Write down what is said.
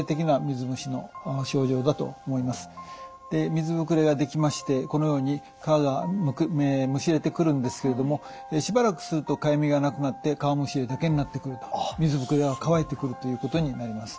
水膨れが出来ましてこのように皮がむしれてくるんですけれどもしばらくするとかゆみがなくなって皮むしりだけになってくると水膨れが乾いてくるということになります。